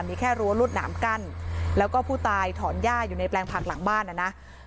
มีแค่รั้วรวดหนามกั้นแล้วก็ผู้ตายถอนหญ้าอยู่ในแปลงผักหลังบ้านนะนะ